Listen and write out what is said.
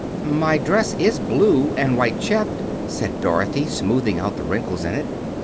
"My dress is blue and white checked," said Dorothy, smoothing out the wrinkles in it.